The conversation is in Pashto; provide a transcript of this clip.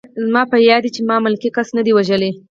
زما په یاد دي چې ما ملکي کس نه دی وژلی